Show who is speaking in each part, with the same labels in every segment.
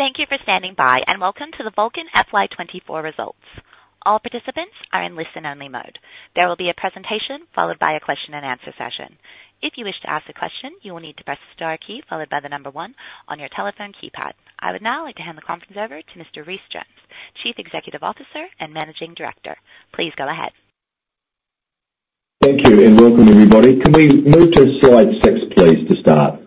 Speaker 1: Thank you for standing by, and welcome to the Vulcan FY 2024 Results. All participants are in listen-only mode. There will be a presentation followed by a Q&A session. If you wish to ask a question, you will need to press the star key followed by the number one on your telephone keypad. I would now like to hand the conference over to Mr. Rhys Jones, Chief Executive Officer and Managing Director. Please go ahead.
Speaker 2: Thank you, and welcome, everybody. Can we move to slide 6, please, to start?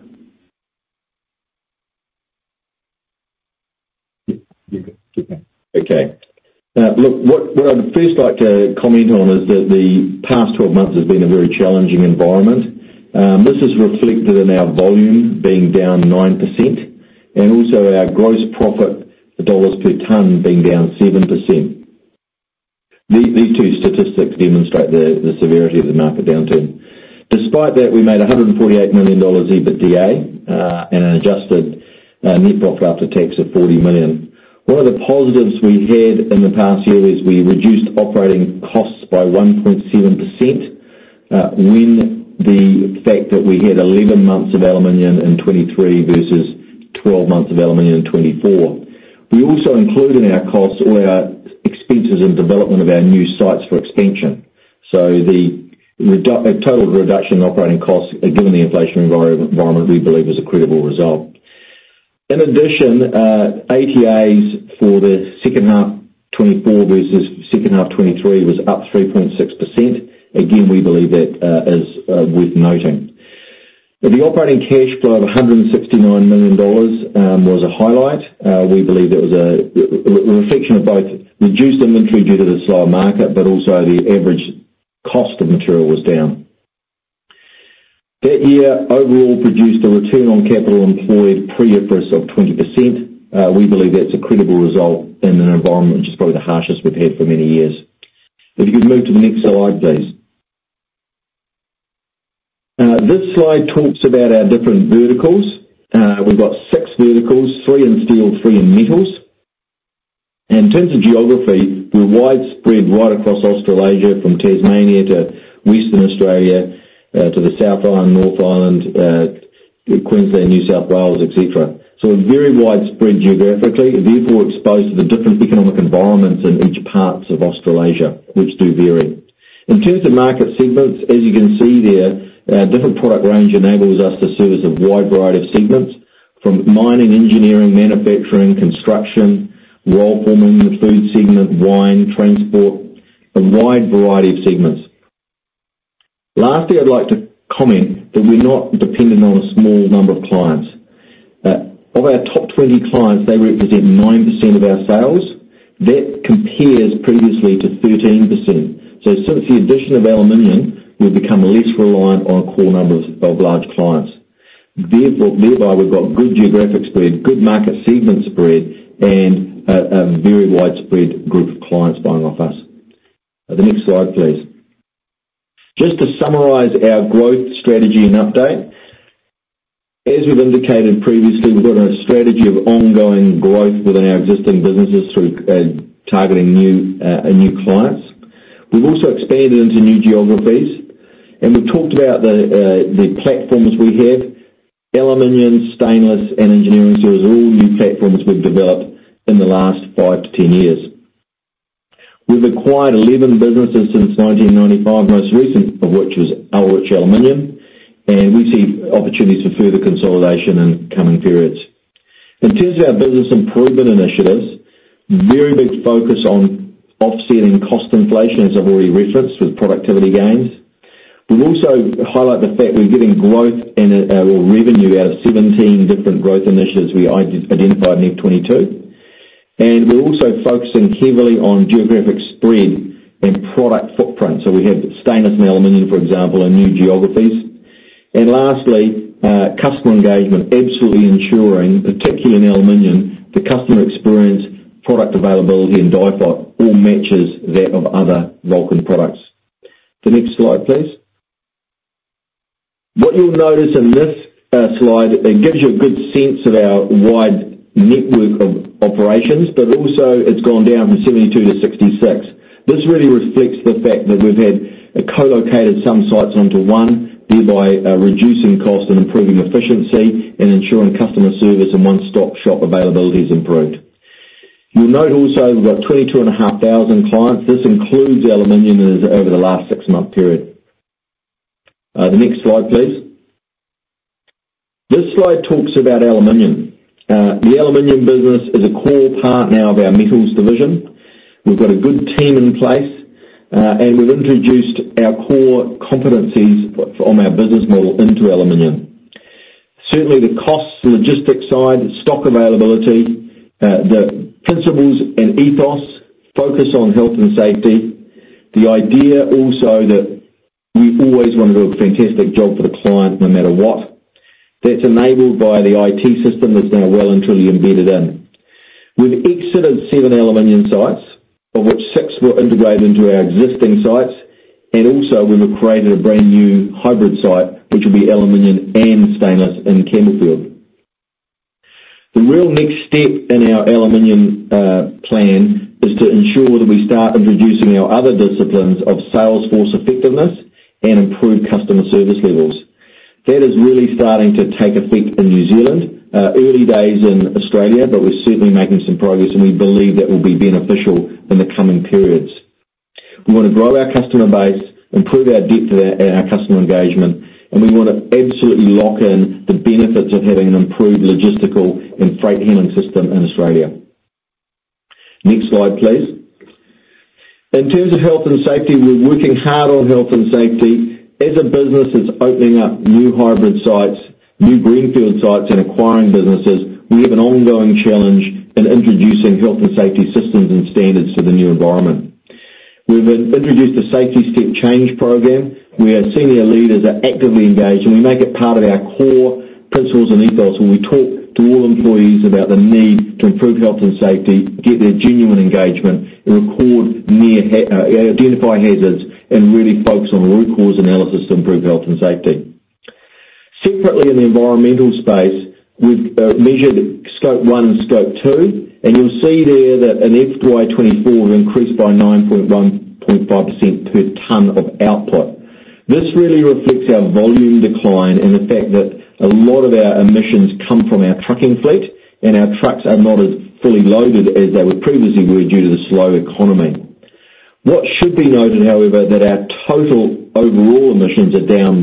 Speaker 2: You can keep going. Okay. Look, what I'd first like to comment on is that the past twelve months has been a very challenging environment. This is reflected in our volume being down 9% and also our gross profit, the dollars per ton, being down 7%. These two statistics demonstrate the severity of the market downturn. Despite that, we made 148 million dollars EBITDA, and an adjusted net profit after tax of 40 million. One of the positives we had in the past year is we reduced operating costs by 1.7%, given the fact that we had 11 months of aluminum in 2023 versus 12 months of aluminum in 2024. We also included in our costs all our expenses and development of our new sites for expansion. So the total reduction in operating costs, given the inflation environment, we believe was a credible result. In addition, ATAs for the second half 2024 versus second half 2023 was up 3.6%. Again, we believe that is worth noting. The operating cash flow of 169 million dollars was a highlight. We believe it was a reflection of both reduced inventory due to the slow market, but also the average cost of material was down. That year, overall, produced a return on capital employed pre-IFRS of 20%. We believe that's a credible result in an environment which is probably the harshest we've had for many years. If you could move to the next slide, please. This slide talks about our different verticals. We've got six verticals, three in steel, three in metals. In terms of geography, we're widespread right across Australasia, from Tasmania to Western Australia, to the South Island, North Island, Queensland, New South Wales, et cetera, so we're very widespread geographically, therefore exposed to the different economic environments in each parts of Australasia, which do vary. In terms of market segments, as you can see there, our different product range enables us to service a wide variety of segments, from mining, engineering, manufacturing, construction, roll forming, the food segment, wine, transport, a wide variety of segments. Lastly, I'd like to comment that we're not dependent on a small number of clients. Of our top 20 clients, they represent 9% of our sales. That compares previously to 13%. So since the addition of aluminum, we've become less reliant on a core number of large clients. Therefore, thereby, we've got good geographic spread, good market segment spread, and a very widespread group of clients buying off us. The next slide, please. Just to summarize our growth strategy and update. As we've indicated previously, we've got a strategy of ongoing growth within our existing businesses through targeting new clients. We've also expanded into new geographies, and we've talked about the platforms we have. Aluminum, stainless, and engineering services are all new platforms we've developed in the last five to 10 years. We've acquired 11 businesses since 1995, most recent of which was Ullrich Aluminium, and we see opportunities for further consolidation in coming periods. In terms of our business improvement initiatives, very big focus on offsetting cost inflation, as I've already referenced, with productivity gains. We also highlight the fact we're getting growth and, well, revenue out of 17 different growth initiatives we identified in FY 2022. We're also focusing heavily on geographic spread and product footprint, so we have stainless and aluminum, for example, in new geographies. Lastly, customer engagement, absolutely ensuring, particularly in aluminum, the customer experience, product availability and DIFOT all matches that of other Vulcan products. The next slide, please. What you'll notice in this slide, it gives you a good sense of our wide network of operations, but also it's gone down from 72 to 66. This really reflects the fact that we've had co-located some sites onto one, thereby, reducing cost and improving efficiency and ensuring customer service and one-stop-shop availability is improved. You'll note also we've got 22.5 thousand clients. This includes aluminum over the last six-month period. The next slide, please. This slide talks about aluminum. The aluminum business is a core part now of our metals division. We've got a good team in place, and we've introduced our core competencies from our business model into aluminum. Certainly, the cost and logistics side, stock availability, the principles and ethos, focus on health and safety. The idea also that we always want to do a fantastic job for the client, no matter what. That's enabled by the IT system that's now well and truly embedded in. We've exited seven aluminum sites, of which six were integrated into our existing sites, and also we've created a brand-new hybrid site, which will be aluminum and stainless in Campbellfield. The real next step in our aluminum plan is to ensure that we start introducing our other disciplines of sales force effectiveness and improve customer service levels. That is really starting to take effect in New Zealand. Early days in Australia, but we're certainly making some progress, and we believe that will be beneficial in the coming periods. We want to grow our customer base, improve our depth of our, and our customer engagement, and we want to absolutely lock in the benefits of having an improved logistical and freight handling system in Australia. Next slide, please. In terms of health and safety, we're working hard on health and safety. As a business that's opening up new hybrid sites, new greenfield sites, and acquiring businesses, we have an ongoing challenge in introducing health and safety systems and standards to the new environment. We've introduced a safety step change program, where our senior leaders are actively engaged, and we make it part of our core principles and ethos, and we talk to all employees about the need to improve health and safety, get their genuine engagement, and record near misses, identify hazards, and really focus on root cause analysis to improve health and safety. Separately, in the environmental space, we've measured Scope 1 and Scope 2, and you'll see there that in FY 2024, we've increased by 9.15% per ton of output. This really reflects our volume decline and the fact that a lot of our emissions come from our trucking fleet, and our trucks are not as fully loaded as they would previously were, due to the slow economy. What should be noted, however, that our total overall emissions are down 1%,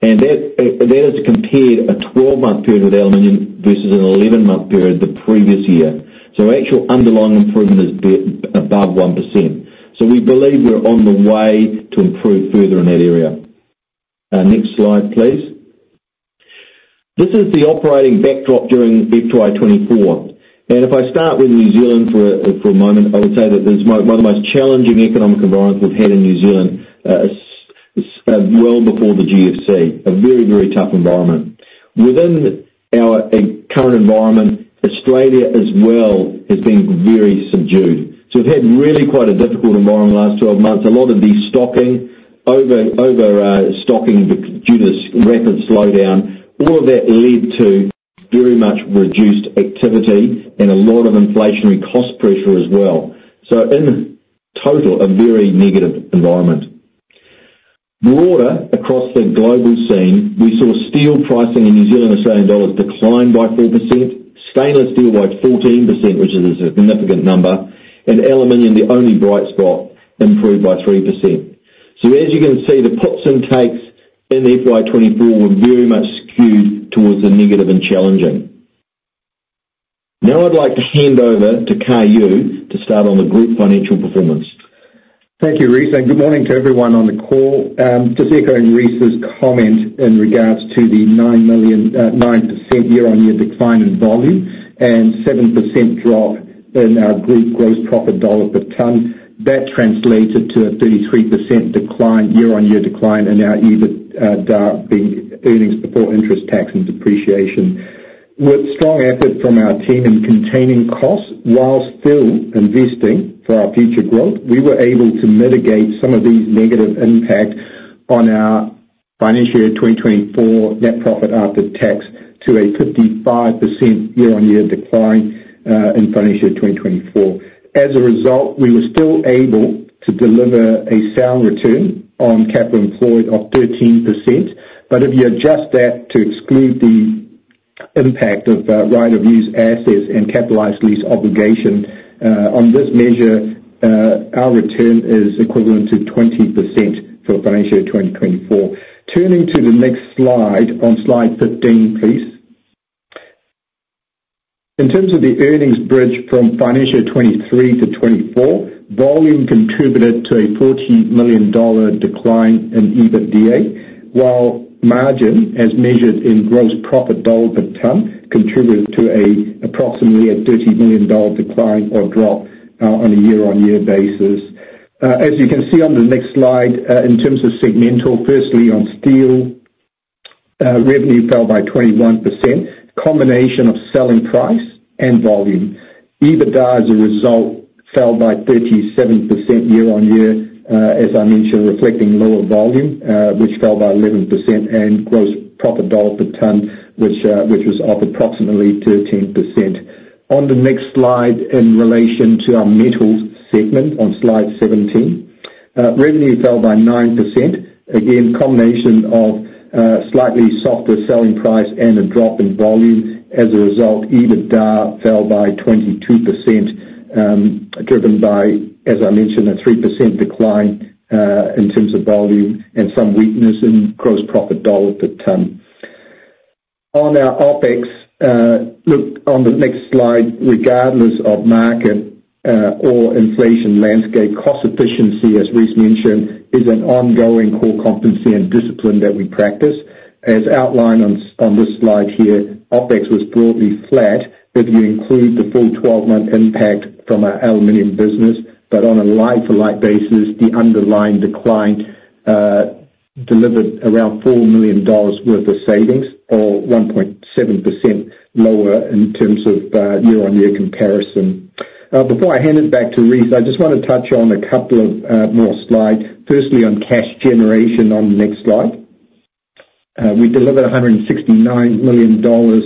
Speaker 2: and that, that is compared a twelve-month period with aluminum versus an eleven-month period the previous year. So actual underlying improvement is above 1%. So we believe we're on the way to improve further in that area. Next slide, please. This is the operating backdrop during FY 2024, and if I start with New Zealand for a moment, I would say that this is one of the most challenging economic environments we've had in New Zealand, well before the GFC. A very, very tough environment. Within our current environment, Australia as well has been very subdued. So we've had really quite a difficult environment in the last twelve months. A lot of destocking, overstocking due to rapid slowdown. All of that led to very much reduced activity and a lot of inflationary cost pressure as well. So in total, a very negative environment. Broader, across the global scene, we saw steel pricing in New Zealand Australian dollars decline by 4%, stainless steel by 14%, which is a significant number, and aluminum, the only bright spot, improved by 3%. So as you can see, the puts and takes in FY 2024 were very much skewed towards the negative and challenging. Now, I'd like to hand over to Kar Yue, to start on the group financial performance.
Speaker 3: Thank you, Rhys, and good morning to everyone on the call. Just echoing Rhys's comment in regards to the 9% year-on-year decline in volume and 7% drop in our group gross profit dollar per ton. That translated to a 33% decline, year-on-year decline in our EBIT, the earnings before interest, tax, and depreciation. With strong effort from our team in containing costs while still investing for our future growth, we were able to mitigate some of these negative impacts on our financial year 2024 net profit after tax to a 55% year-on-year decline in financial year 2024. As a result, we were still able to deliver a sound return on capital employed of 13%, but if you adjust that to exclude the impact of right-of-use assets and capitalized lease obligation, on this measure, our return is equivalent to 20% for financial year 2024. Turning to the next slide, on slide 15, please. In terms of the earnings bridge from financial year twenty-three to twenty-four, volume contributed to a 14 million dollar decline in EBITDA, while margin, as measured in gross profit dollar per ton, contributed to approximately a 30 million dollar decline or drop, on a year-on-year basis. As you can see on the next slide, in terms of segmental, firstly, on steel, revenue fell by 21%, combination of selling price and volume. EBITDA, as a result, fell by 37% year on year, as I mentioned, reflecting lower volume, which fell by 11%, and gross profit dollar per ton, which was up approximately 13%. On the next slide, in relation to our metals segment on Slide 17, revenue fell by 9%. Again, combination of slightly softer selling price and a drop in volume. As a result, EBITDA fell by 22%, driven by, as I mentioned, a 3% decline in terms of volume and some weakness in gross profit dollar per ton. On our OpEx, look on the next slide, regardless of market or inflation landscape, cost efficiency, as Rhys mentioned, is an ongoing core competency and discipline that we practice. As outlined on this slide here, OpEx was broadly flat if you include the full twelve-month impact from our aluminum business, but on a like-for-like basis, the underlying decline delivered around 4 million dollars worth of savings, or 1.7% lower in terms of year-on-year comparison. Before I hand it back to Rhys, I just want to touch on a couple of more slides. First, on cash generation on the next slide. We delivered 169 million dollars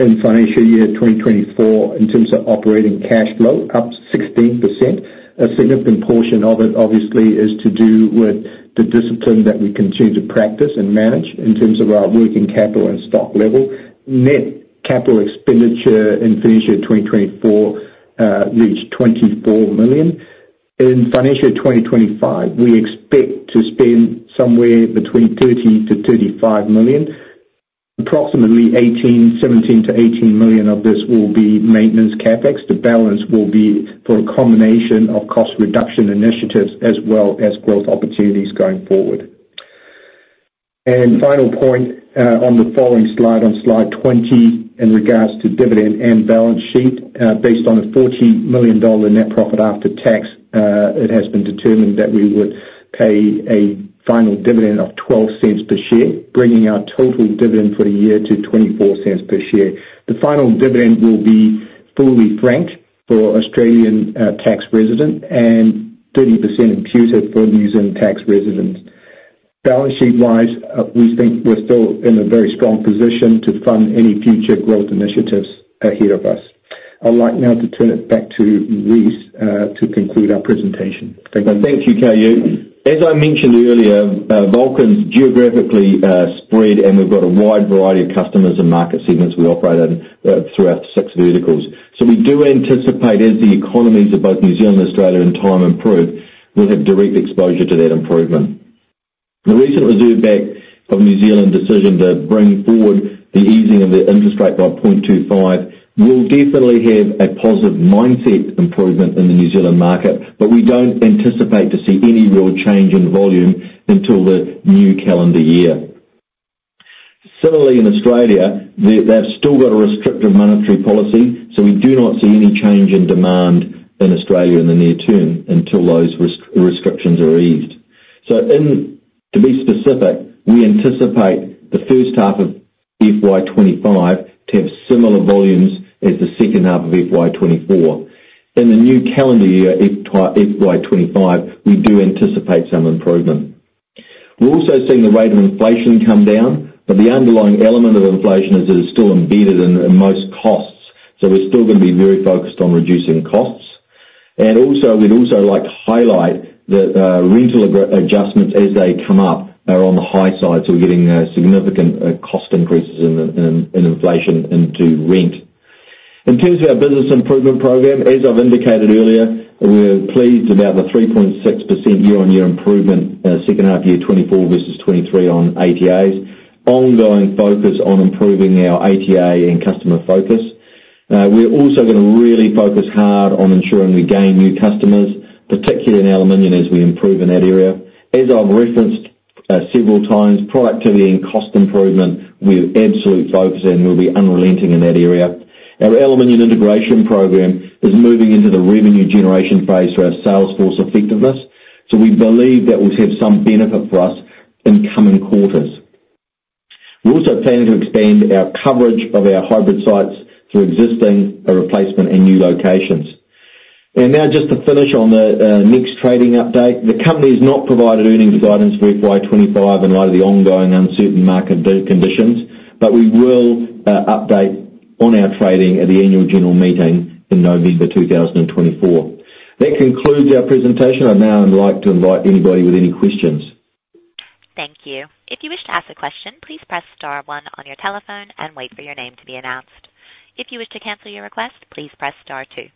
Speaker 3: in financial year 2024 in terms of operating cash flow, up 16%. A significant portion of it, obviously, is to do with the discipline that we continue to practice and manage in terms of our working capital and stock level. Net capital expenditure in financial year 2024 reached 24 million. In financial year 2025, we expect to spend somewhere between 30-35 million. Approximately 17-18 million of this will be maintenance CapEx. The balance will be for a combination of cost reduction initiatives as well as growth opportunities going forward. Final point, on the following slide, on slide 20, in regards to dividend and balance sheet. Based on a 40 million dollar net profit after tax, it has been determined that we would pay a final dividend of 0.12 per share, bringing our total dividend for the year to 0.24 per share. The final dividend will be fully franked for Australian tax resident and 30% imputed for New Zealand tax residents. Balance sheet-wise, we think we're still in a very strong position to fund any future growth initiatives ahead of us. I'd like now to turn it back to Rhys, to conclude our presentation. Thank you.
Speaker 2: Thank you, Kar Yue. As I mentioned earlier, Vulcan's geographically spread, and we've got a wide variety of customers and market segments we operate in throughout six verticals. So we do anticipate, as the economies of both New Zealand and Australia in time improve, we'll have direct exposure to that improvement. The recent Reserve Bank of New Zealand decision to bring forward the easing of the interest rate by point two five will definitely have a positive mindset improvement in the New Zealand market, but we don't anticipate to see any real change in volume until the new calendar year. Similarly, in Australia, they've still got a restrictive monetary policy, so we do not see any change in demand in Australia in the near term until those restrictions are eased. So, to be specific, we anticipate the first half of FY 2025 to have similar volumes as the second half of FY 2024. In the new calendar year, FY 2025, we do anticipate some improvement. We're also seeing the rate of inflation come down, but the underlying element of inflation is that it's still embedded in most costs, so we're still gonna be very focused on reducing costs. And also, we'd also like to highlight that, rental adjustments, as they come up, are on the high side, so we're getting significant cost increases in inflation into rent. In terms of our business improvement program, as I've indicated earlier, we're pleased about the 3.6% year-on-year improvement, second half 2024 versus 2023 on ATAs. Ongoing focus on improving our ATA and customer focus. We're also gonna really focus hard on ensuring we gain new customers, particularly in aluminum, as we improve in that area. As I've referenced, several times, productivity and cost improvement, we have absolute focus and we'll be unrelenting in that area. Our aluminum integration program is moving into the revenue generation phase through our salesforce effectiveness, so we believe that will have some benefit for us in coming quarters. We also plan to expand our coverage of our hybrid sites through existing, replacement and new locations. And now just to finish on the next trading update, the company has not provided earnings guidance for FY25 in light of the ongoing uncertain market conditions, but we will update on our trading at the annual general meeting in November 2024. That concludes our presentation. I'd now like to invite anybody with any questions.
Speaker 1: Thank you. If you wish to ask a question, please press star one on your telephone and wait for your name to be announced. If you wish to cancel your request, please press star two.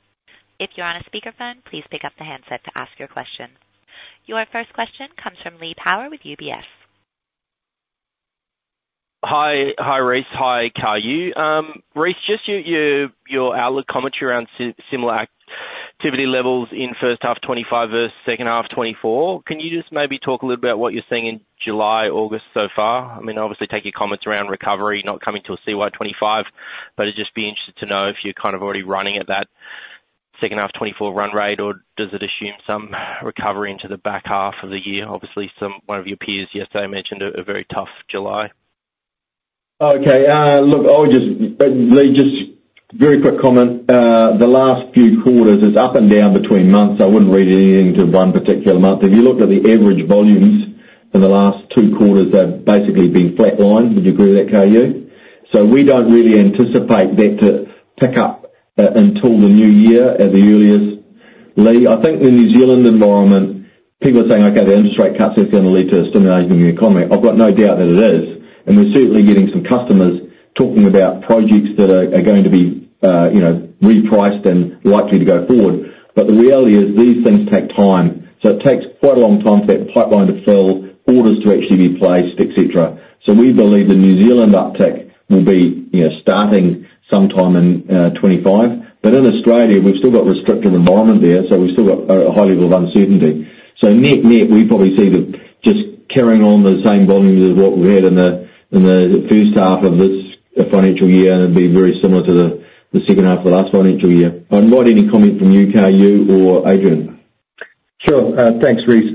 Speaker 1: If you're on a speakerphone, please pick up the handset to ask your question. Your first question comes from Lee Power with UBS.
Speaker 4: Hi. Hi, Rhys. Hi, Kar Yue. Rhys, just your outlook commentary around similar activity levels in first half 2025 versus second half 2024. Can you just maybe talk a little about what you're seeing in July, August so far? I mean, obviously take your comments around recovery, not coming to a CY 2025, but I'd just be interested to know if you're kind of already running at that second half 2024 run rate, or does it assume some recovery into the back half of the year? Obviously, someone of your peers yesterday mentioned a very tough July.
Speaker 2: Okay, look, I would just, Lee, just very quick comment. The last few quarters is up and down between months. I wouldn't read anything into one particular month. If you look at the average volumes for the last two quarters, they've basically been flatlined. Would you agree with that, Kar Yue? So we don't really anticipate that to pick up until the new year at the earliest, Lee. I think the New Zealand environment, people are saying, "Okay, the interest rate cut is gonna lead to a stimulation of the economy." I've got no doubt that it is, and we're certainly getting some customers talking about projects that are going to be, you know, repriced and likely to go forward. But the reality is these things take time, so it takes quite a long time for that pipeline to fill, orders to actually be placed, et cetera. So we believe the New Zealand uptick will be, you know, starting sometime in 2025. But in Australia, we've still got restrictive environment there, so we've still got a high level of uncertainty. So net-net, we probably see that just carrying on the same volumes as what we had in the first half of this financial year, and it'd be very similar to the second half of last financial year. I invite any comment from you, Kar Yue or Adrian?...
Speaker 3: Sure. Thanks, Rhys.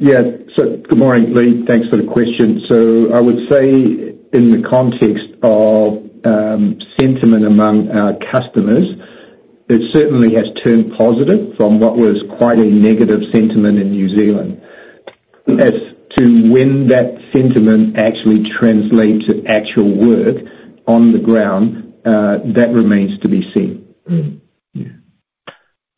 Speaker 3: Yeah, so good morning, Lee. Thanks for the question. So I would say in the context of sentiment among our customers, it certainly has turned positive from what was quite a negative sentiment in New Zealand. As to when that sentiment actually translates to actual work on the ground, that remains to be seen. Yeah.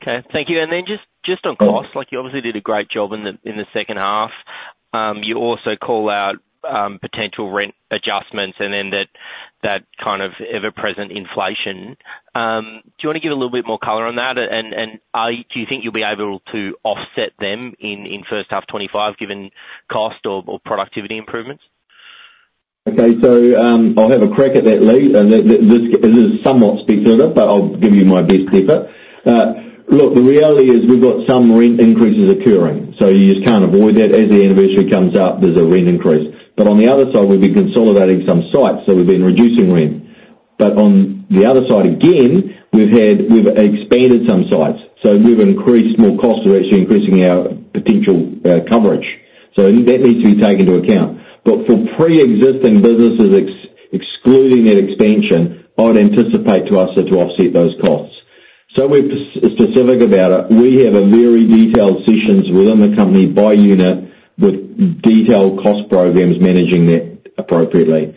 Speaker 4: Okay, thank you. And then just on cost, like, you obviously did a great job in the second half. You also call out potential rent adjustments and then that kind of ever-present inflation. Do you wanna give a little bit more color on that? And are you-- do you think you'll be able to offset them in first half 2025, given cost or productivity improvements?
Speaker 2: Okay, so, I'll have a crack at that, Lee, and this is somewhat speculative, but I'll give you my best effort. Look, the reality is we've got some rent increases occurring, so you just can't avoid that. As the anniversary comes up, there's a rent increase. But on the other side, we've been consolidating some sites, so we've been reducing rent. But on the other side, again, we've had... We've expanded some sites, so we've increased more costs. We're actually increasing our potential, coverage. So that needs to be taken into account. But for pre-existing businesses, excluding that expansion, I would anticipate to us to offset those costs. So we're specific about it. We have a very detailed sessions within the company by unit, with detailed cost programs managing that appropriately.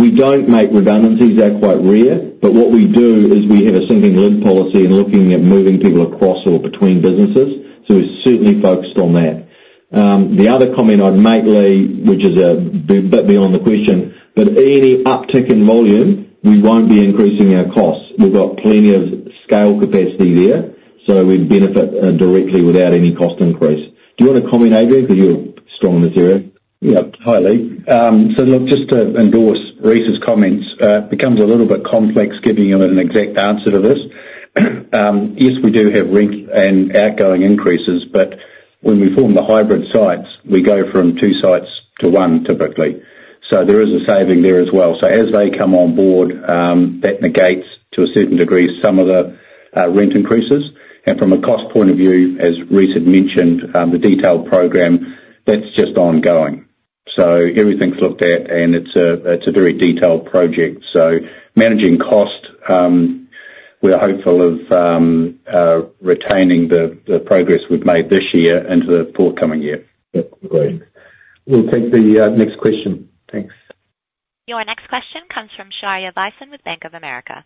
Speaker 2: We don't make redundancies. They're quite rare, but what we do is we have a sinking lid policy and looking at moving people across or between businesses, so we're certainly focused on that. The other comment I'd make, Lee, which is a bit beyond the question, but any uptick in volume, we won't be increasing our costs. We've got plenty of slack capacity there, so we'd benefit directly without any cost increase. Do you want to comment, Adrian, because you're strong in this area?
Speaker 5: Yeah. Hi, Lee. So look, just to endorse Rhys's comments, it becomes a little bit complex giving you an exact answer to this. Yes, we do have rent and outgoing increases, but when we form the hybrid sites, we go from two sites to one, typically. So there is a saving there as well. So as they come on board, that negates, to a certain degree, some of the rent increases. And from a cost point of view, as Rhys had mentioned, the detailed program, that's just ongoing. So everything's looked at, and it's a very detailed project. So managing cost, we are hopeful of retaining the progress we've made this year into the forthcoming year.
Speaker 2: Yep. Great. We'll take the next question. Thanks.
Speaker 1: Your next question comes from Sharia Bison with Bank of America.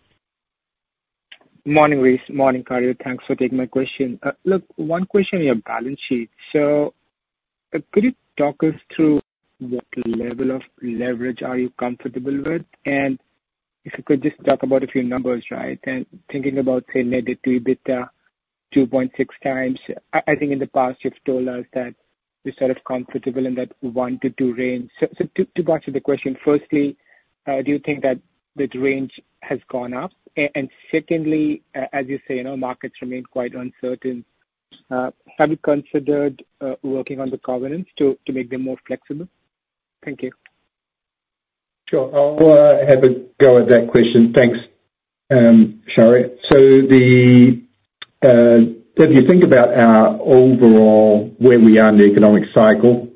Speaker 4: Morning, Rhys. Morning, Kar Yue. Thanks for taking my question. Look, one question on your balance sheet. So, could you talk us through what level of leverage are you comfortable with? And if you could just talk about a few numbers, right, and thinking about, say, net debt to EBITDA two point six times. I think in the past you've told us that you're sort of comfortable in that one to two range. So to answer the question, firstly, do you think that the range has gone up? And secondly, as you say, you know, markets remain quite uncertain. Have you considered working on the covenants to make them more flexible? Thank you.
Speaker 3: Sure. I'll have a go at that question. Thanks, Sharia. So if you think about our overall where we are in the economic cycle,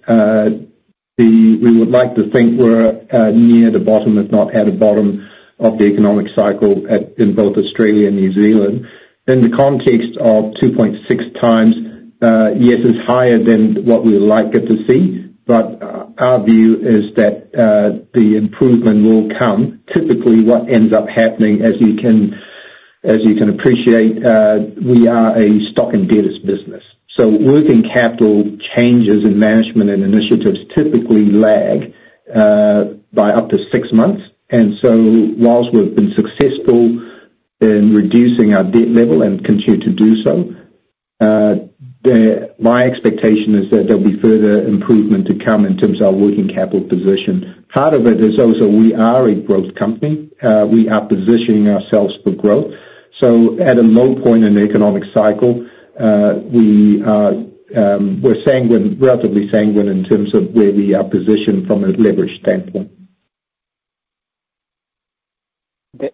Speaker 3: we would like to think we're near the bottom, if not at the bottom, of the economic cycle in both Australia and New Zealand. In the context of two point six times, yes, it's higher than what we would like it to see, but our view is that the improvement will come. Typically, what ends up happening, as you can appreciate, we are a stock and debtors business. So working capital changes in management and initiatives typically lag by up to six months. And so whilst we've been successful in reducing our debt level and continue to do so, the... My expectation is that there'll be further improvement to come in terms of our working capital position. Part of it is also we are a growth company. We are positioning ourselves for growth, so at a low point in the economic cycle, we're sanguine, relatively sanguine in terms of where we are positioned from a leverage standpoint.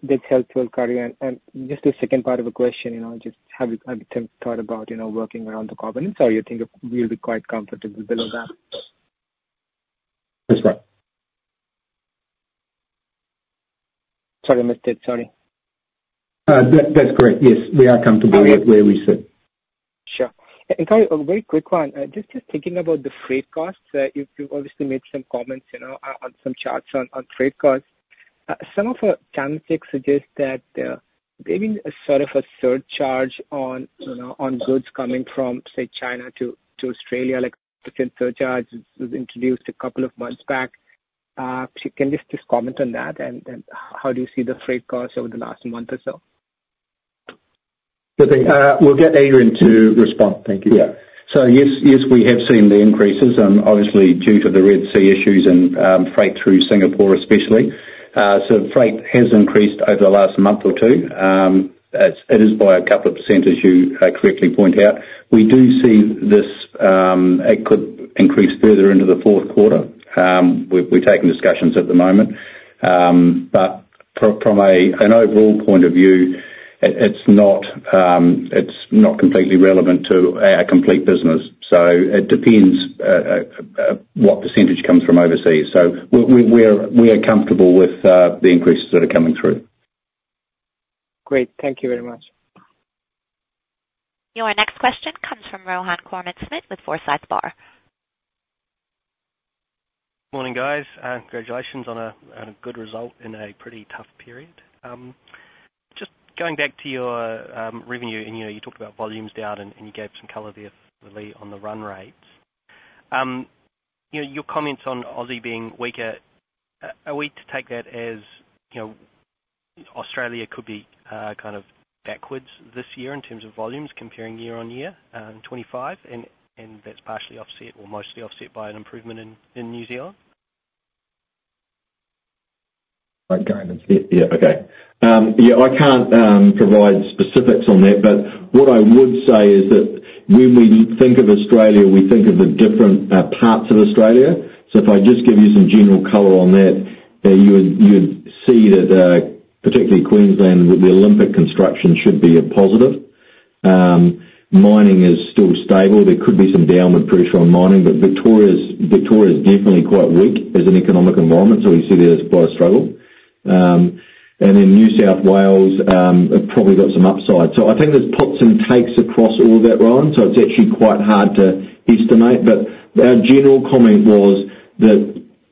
Speaker 4: That's helpful, Kar Yue. And just the second part of the question, you know, just have you thought about, you know, working around the covenants, or you think you'll be quite comfortable below that?
Speaker 3: That's right.
Speaker 4: Sorry, I missed it. Sorry.
Speaker 3: That's correct. Yes, we are comfortable with where we sit.
Speaker 4: Sure. And Kar Yue, a very quick one. Just thinking about the freight costs, you obviously made some comments, you know, on some charts on freight costs. Some of the channel checks suggest that, maybe a sort of a surcharge on, you know, on goods coming from, say, China to Australia, like the surcharge was introduced a couple of months back. Can you just comment on that, and how do you see the freight costs over the last month or so?
Speaker 3: Good thing. We'll get Adrian to respond. Thank you.
Speaker 5: Yeah. So yes, yes, we have seen the increases, and obviously due to the Red Sea issues and freight through Singapore especially. So freight has increased over the last month or two. It's, it is by a couple of %, as you correctly point out. We do see the-... it could increase further into the Q4. We're taking discussions at the moment, but from an overall point of view, it's not completely relevant to our complete business, so it depends what percentage comes from overseas, so we are comfortable with the increases that are coming through.
Speaker 4: Great. Thank you very much.
Speaker 1: Your next question comes from Rohan Koreman-Smit with Forsyth Barr.
Speaker 6: Morning, guys, congratulations on a good result in a pretty tough period. Just going back to your revenue, and, you know, you talked about volumes down, and you gave some color there early on the run rates. You know, your comments on Aussie being weaker, are we to take that as, you know, Australia could be kind of backwards this year in terms of volumes comparing year on year, in twenty-five, and that's partially offset or mostly offset by an improvement in New Zealand?
Speaker 2: Yeah, I can't provide specifics on that, but what I would say is that when we think of Australia, we think of the different parts of Australia. So if I just give you some general color on that, you would see that particularly Queensland, with the Olympic construction, should be a positive. Mining is still stable. There could be some downward pressure on mining, but Victoria is definitely quite weak as an economic environment, so we see there's quite a struggle. Then New South Wales have probably got some upside. So I think there's ups and downs across all of that, Rohan, so it's actually quite hard to estimate. But our general comment was that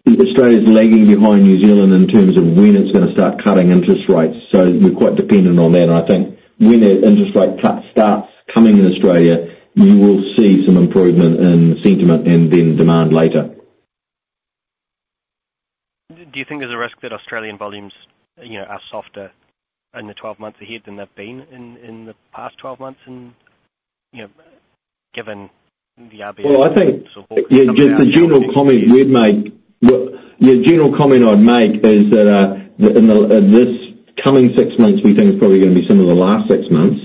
Speaker 2: Australia's lagging behind New Zealand in terms of when it's gonna start cutting interest rates, so we're quite dependent on that. And I think when that interest rate cut starts coming in Australia, you will see some improvement in sentiment and then demand later.
Speaker 6: Do you think there's a risk that Australian volumes, you know, are softer in the twelve months ahead than they've been in the past twelve months and, you know, given the RBA?
Speaker 2: I think just the general comment we'd make, look, the general comment I'd make is that, in this coming six months, we think it's probably gonna be some of the last six months,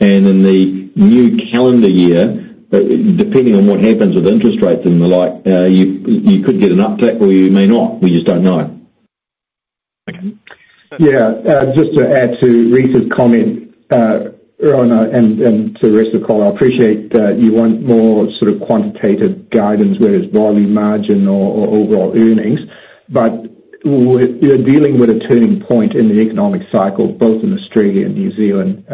Speaker 2: and in the new calendar year, depending on what happens with interest rates and the like, you could get an uptick, or you may not. We just don't know.
Speaker 6: Okay.
Speaker 3: Yeah, just to add to Rhys's comment, Rohan, and to the rest of the call, I appreciate that you want more sort of quantitative guidance, whether it's volume, margin, or overall earnings, but we're dealing with a turning point in the economic cycle, both in Australia and New Zealand.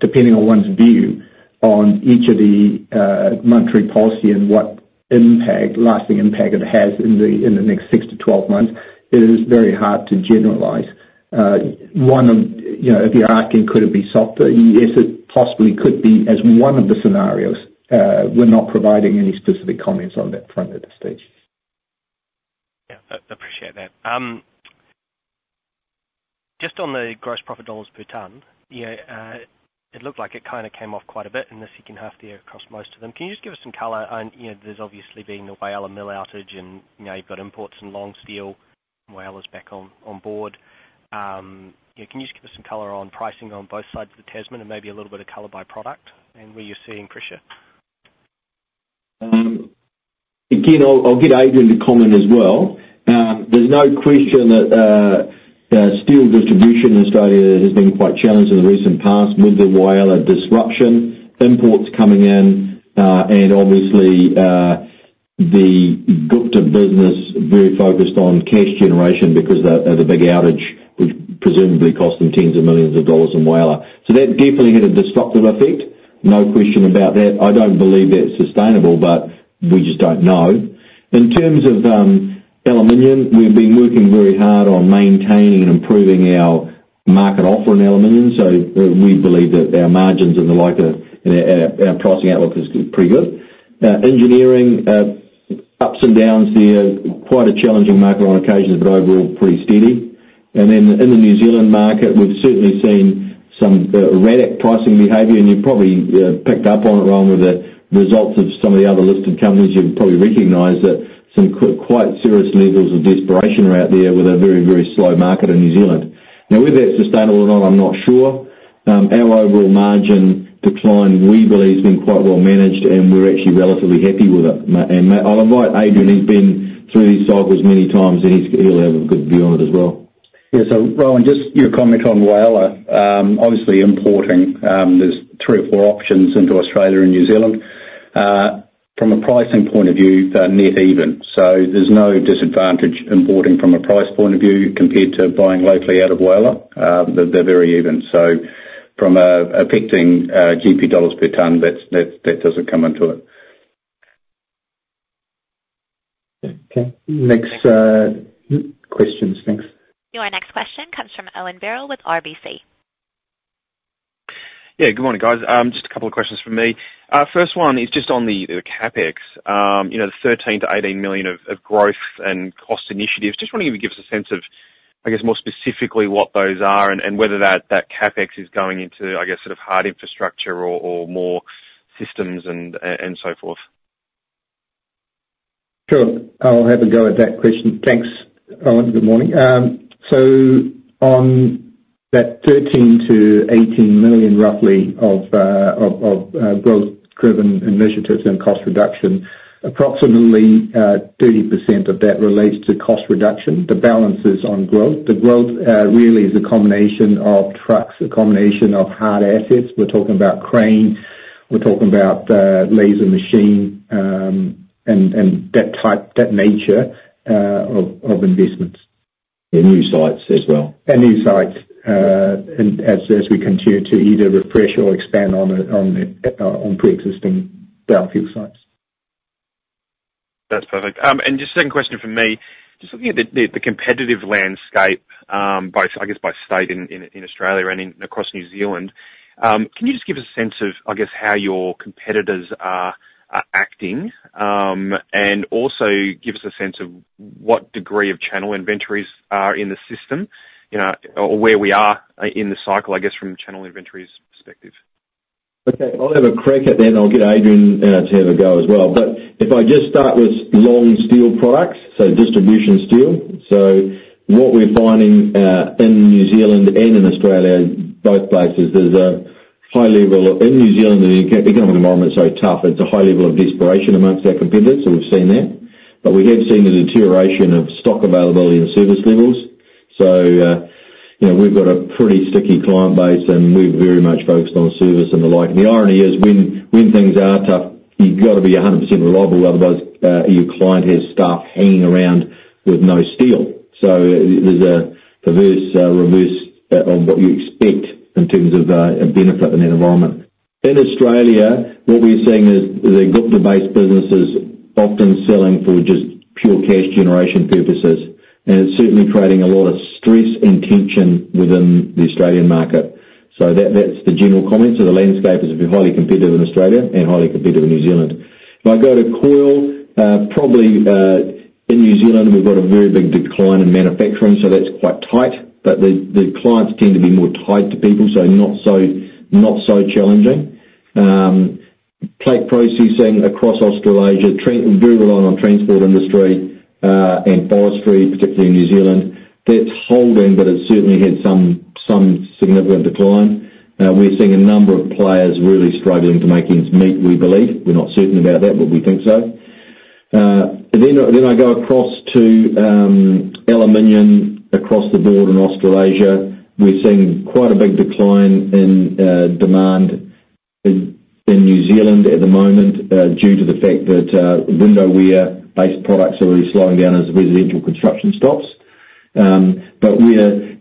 Speaker 3: Depending on one's view on each of the monetary policy and what impact, lasting impact it has in the next six to twelve months, it is very hard to generalize. You know, if you're asking, could it be softer? Yes, it possibly could be, as one of the scenarios. We're not providing any specific comments on that front at this stage.
Speaker 6: Yeah, I appreciate that. Just on the gross profit dollars per ton, you know, it looked like it kind of came off quite a bit in the second half of the year across most of them. Can you just give us some color on, you know, there's obviously been the Whyalla mill outage, and now you've got imports and long steel, Whyalla's back on board. Yeah, can you just give us some color on pricing on both sides of the Tasman and maybe a little bit of color by product and where you're seeing pressure?
Speaker 2: Again, I'll get Adrian to comment as well. There's no question that steel distribution in Australia has been quite challenged in the recent past with the Whyalla disruption, imports coming in, and obviously, the Gupta business very focused on cash generation because of the big outage, which presumably cost them tens of millions of dollars in Whyalla. So that definitely had a disruptive effect, no question about that. I don't believe that's sustainable, but we just don't know. In terms of aluminum, we've been working very hard on maintaining and improving our market offer in aluminum, so we believe that our margins and the like are, and our pricing outlook is pretty good. Engineering, ups and downs there, quite a challenging market on occasion, but overall pretty steady. Then in the New Zealand market, we've certainly seen some erratic pricing behavior, and you've probably picked up on it, Rohan, with the results of some of the other listed companies. You've probably recognized that some quite serious levels of desperation are out there with a very, very slow market in New Zealand. Now, whether that's sustainable or not, I'm not sure. Our overall margin decline, we believe, has been quite well managed, and we're actually relatively happy with it. And I'll invite Adrian; he's been through these cycles many times, and he'll have a good view on it as well.
Speaker 5: Yeah, so Rohan, just your comment on Whyalla. Obviously importing, there's three or four options into Australia and New Zealand. From a pricing point of view, they're net even, so there's no disadvantage importing from a price point of view compared to buying locally out of Whyalla. They're very even. So from affecting GP dollars per ton, that doesn't come into it.
Speaker 2: Okay. Next, questions, thanks.
Speaker 1: Your next question comes from Owen Birrell with RBC.
Speaker 7: Yeah, good morning, guys. Just a couple of questions from me. First one is just on the CapEx, you know, the 13-18 million of growth and cost initiatives. Just wondering if you give us a sense of, I guess, more specifically, what those are and whether that CapEx is going into, I guess, sort of hard infrastructure or more systems and so forth?...
Speaker 2: Sure, I'll have a go at that question. Thanks. Good morning. So on that 13-18 million, roughly, of growth-driven initiatives and cost reduction, approximately 30% of that relates to cost reduction. The balance is on growth. The growth really is a combination of trucks, a combination of hard assets. We're talking about crane, we're talking about laser machine, and that type, that nature of investments.
Speaker 3: And new sites as well.
Speaker 2: And new sites, and as we continue to either refresh or expand on preexisting biofuel sites.
Speaker 7: That's perfect. And just second question from me, just looking at the competitive landscape, by, I guess, by state in Australia and across New Zealand, can you just give us a sense of, I guess, how your competitors are acting? And also give us a sense of what degree of channel inventories are in the system? You know, or where we are in the cycle, I guess, from a channel inventories perspective.
Speaker 2: Okay, I'll have a crack at it then I'll get Adrian to have a go as well. But if I just start with long steel products, so distribution steel. What we're finding in New Zealand and in Australia, both places, is there's a high level of desperation amongst our competitors, so we've seen that. In New Zealand, the economic environment is very tough. We have seen a deterioration of stock availability and service levels. You know, we've got a pretty sticky client base, and we're very much focused on service and the like. The irony is, when things are tough, you've got to be 100% reliable, otherwise your client has staff hanging around with no steel. There's a perverse reverse on what you expect in terms of benefit in that environment. In Australia, what we're seeing is the Gupta business often selling for just pure cash generation purposes, and it's certainly creating a lot of stress and tension within the Australian market. That's the general comment. The landscape is highly competitive in Australia and highly competitive in New Zealand. If I go to coil, probably in New Zealand, we've got a very big decline in manufacturing, so that's quite tight, but the clients tend to be more tied to people, so not so challenging. Plate processing across Australasia, very reliant on transport industry, and forestry, particularly in New Zealand. That's holding, but it's certainly had some significant decline. We're seeing a number of players really struggling to make ends meet, we believe. We're not certain about that, but we think so. Then I go across to aluminum across the board in Australasia. We're seeing quite a big decline in demand in New Zealand at the moment due to the fact that window ware-based products are really slowing down as residential construction stops, but we're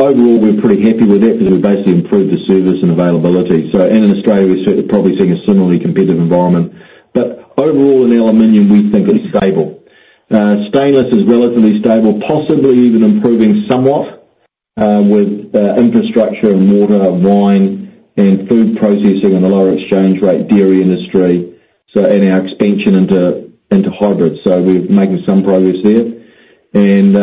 Speaker 2: overall pretty happy with that because we've basically improved the service and availability. And in Australia, we're certainly probably seeing a similarly competitive environment. But overall, in aluminum, we think it's stable. Stainless is relatively stable, possibly even improving somewhat with infrastructure and water and wine and food processing and the lower exchange rate, dairy industry, so and our expansion into hybrids. So we're making some progress there. And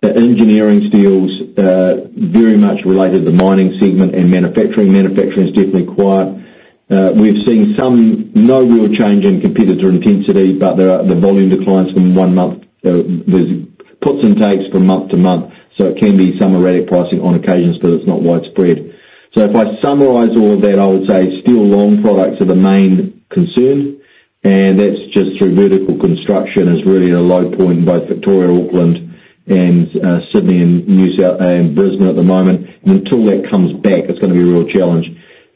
Speaker 2: the engineering steels very much related to the mining segment and manufacturing. Manufacturing is definitely quiet. We've seen no real change in competitor intensity, but there are the volume declines from one month, there's puts and takes from month to month, so it can be some erratic pricing on occasions, but it's not widespread. So if I summarize all of that, I would say steel long products are the main concern, and that's just through vertical construction is really at a low point in both Victoria, Auckland and Sydney and New South Wales and Brisbane at the moment. And until that comes back, it's going to be a real challenge.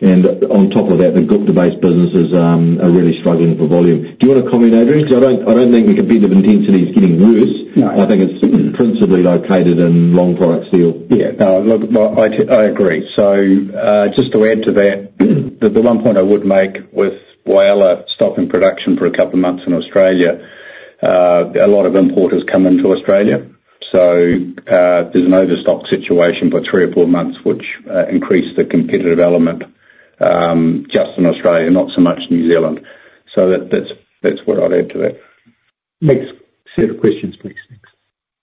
Speaker 2: And on top of that, the Gupta-based businesses are really struggling for volume. Do you want to comment, Adrian? Because I don't, I don't think the competitive intensity is getting worse.
Speaker 5: No.
Speaker 2: I think it's principally located in long product steel.
Speaker 5: Yeah. No, look, I agree. So, just to add to that, the one point I would make with Whyalla stopping production for a couple of months in Australia, a lot of importers come into Australia, so, there's an overstock situation for three or four months, which increased the competitive element, just in Australia, not so much New Zealand. So that's what I'd add to that.
Speaker 2: Next set of questions, please.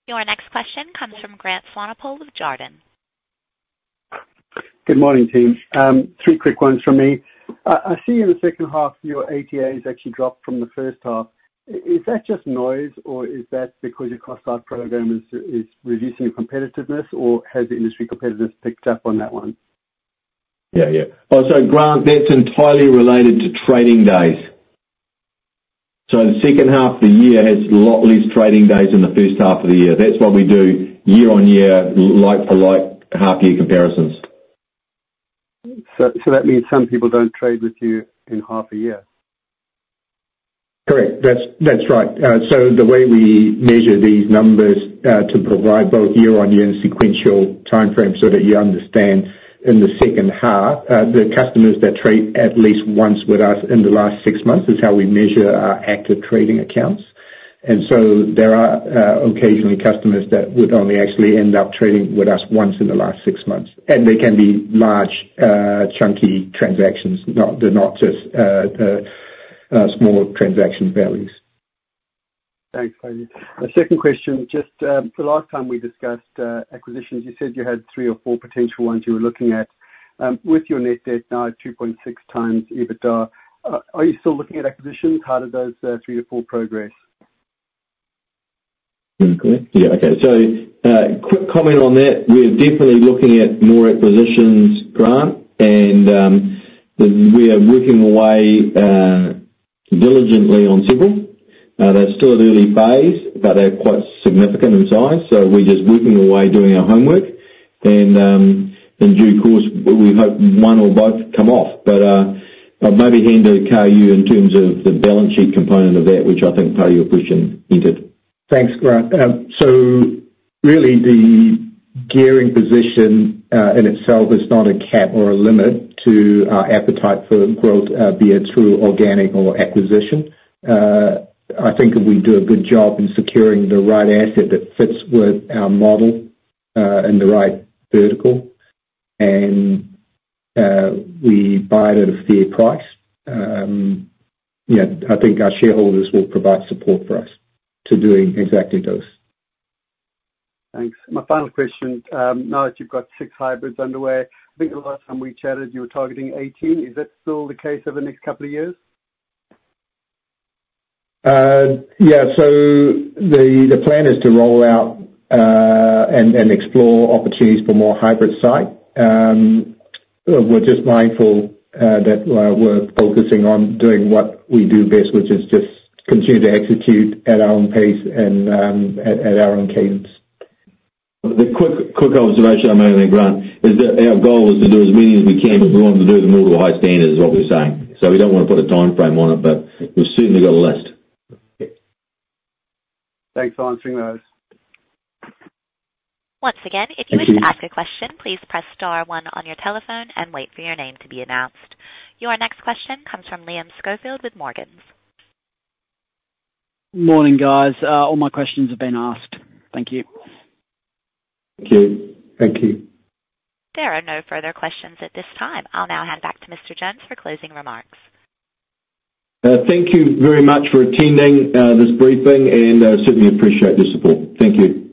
Speaker 1: Your next question comes from Grant Swanepoel of Jarden.
Speaker 8: Good morning, team. Three quick ones from me. I see in the second half, your ATAs actually dropped from the first half. Is that just noise, or is that because your cost out program is reducing your competitiveness, or has the industry competitors picked up on that one?
Speaker 3: Yeah, yeah. Oh, so Grant, that's entirely related to trading days. So the second half of the year has a lot less trading days than the first half of the year. That's why we do year-on-year, like-for-like half-year comparisons.
Speaker 8: So, that means some people don't trade with you in half a year?
Speaker 3: Correct. That's, that's right. So the way we measure these numbers to provide both year-on-year and sequential timeframes so that you understand in the second half the customers that trade at least once with us in the last six months is how we measure our active trading accounts. And so there are occasionally customers that would only actually end up trading with us once in the last six months. And they can be large chunky transactions, they're not just small transaction values. ...
Speaker 8: Thanks, Kar Yue. My second question, just, the last time we discussed acquisitions, you said you had three or four potential ones you were looking at. With your net debt now at two point six times EBITDA, are you still looking at acquisitions? How did those three to four progress?
Speaker 2: Mm-hmm. Yeah. Okay. So, quick comment on that. We are definitely looking at more acquisitions, Grant, and we are working away diligently on several. They're still at early phase, but they're quite significant in size, so we're just working away, doing our homework, and in due course, we hope one or both come off. But I'll maybe hand to Kar Yue in terms of the balance sheet component of that, which I think part of your question hinted. Thanks, Grant. So really, the gearing position in itself is not a cap or a limit to our appetite for growth, be it through organic or acquisition. I think if we do a good job in securing the right asset that fits with our model, in the right vertical, and we buy it at a fair price, yeah, I think our shareholders will provide support for us to doing exactly those.
Speaker 8: Thanks. My final question, now that you've got six hybrids underway, I think the last time we chatted you were targeting 18. Is that still the case over the next couple of years?
Speaker 3: Yeah. So the plan is to roll out and explore opportunities for more hybrid site. We're just mindful that we're focusing on doing what we do best, which is just continue to execute at our own pace and at our own cadence.
Speaker 2: The quick observation I'm making, Grant, is that our goal is to do as many as we can, but we want to do them all to a high standard, is what we're saying. So we don't wanna put a timeframe on it, but we've certainly got a list.
Speaker 8: Thanks for answering those.
Speaker 1: Once again, if you wish to ask a question, please press star one on your telephone and wait for your name to be announced. Your next question comes from Liam Schofield with Morgans.
Speaker 9: Morning, guys. All my questions have been asked. Thank you.
Speaker 2: Thank you.
Speaker 3: Thank you.
Speaker 1: There are no further questions at this time. I'll now hand back to Mr. Jones for closing remarks.
Speaker 2: Thank you very much for attending this briefing, and certainly appreciate your support. Thank you.